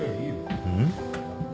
うん？